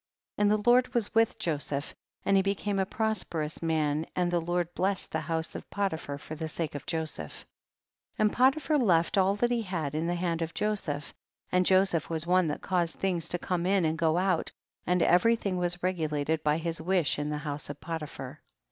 12. And the Lord was with Joseph and he became a prosperous man, and the Lord blessed the house of Polipliar for the sake of Joseph. 13. And Potiphar left all that he had in the hand of Joseph, and Joseph was one that caused things to come in and go out, and every thing was regulated by his wish in the house of Potiphar.